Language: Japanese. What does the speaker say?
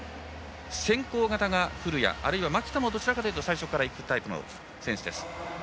先行型が古屋蒔田もどちらかというと最初からいくタイプの選手です。